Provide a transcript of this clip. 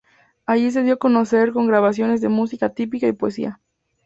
Allí se dio a conocer con grabaciones de música típica y poesía.